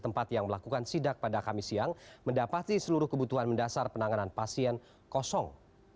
tempat yang melakukan sidak pada kamis siang mendapati seluruh kebutuhan mendasar penanganan pasien kosong